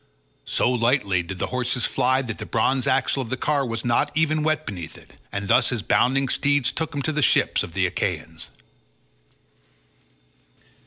So lightly did the horses fly that the bronze axle of the car was not even wet beneath it; and thus his bounding steeds took him to the ships of the Achaeans.